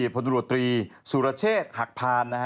พนุธรวตรีสุรเชษฐ์หักพาน